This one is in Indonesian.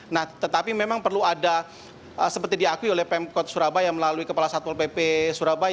nah tetapi memang perlu ada seperti diakui oleh pemkot surabaya melalui kepala satpol pp surabaya